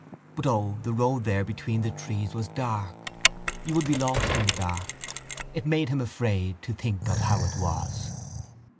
But, O, the road there between the trees was dark! You would be lost in the dark. It made him afraid to think of how it was.